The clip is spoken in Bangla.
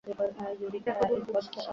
দেখ, গুঞ্জু।